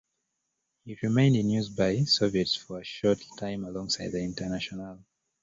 It remained in use by the Soviets for a short time alongside The Internationale.